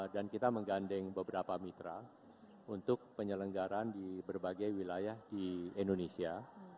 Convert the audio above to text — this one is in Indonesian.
dan kita menggandeng beberapa mitra untuk penyelenggaraan di berbagai wilayah di indonesia